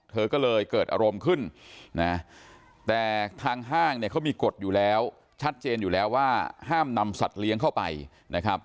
เธอก็เลยเกิดอารมณ์ขึ้นนะแต่ทางห้างเนี่ยเขามีกฎอยู่แล้วชัดเจนอยู่แล้วว่าห้ามนำสัตว์เลี้ยงเข้าไปนะครับ